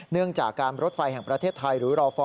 เนื่องจากการลดไฟแห่งประเทศไทย